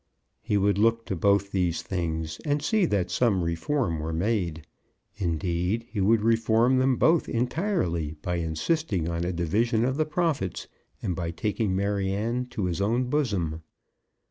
He would look to both these things, and see that some reform were made. Indeed, he would reform them both entirely by insisting on a division of the profits, and by taking Maryanne to his own bosom.